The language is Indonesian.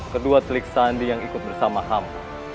kedua telik sandi yang ikut bersama hamba